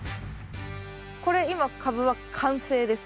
これ今カブは完成ですか？